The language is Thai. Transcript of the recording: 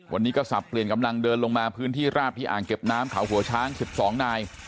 วันนี้ก็สับเปลี่ยนกำลังเดินลงมาพื้นที่ราบที่อ่างเก็บน้ำเขาหัวช้าง๑๒นาย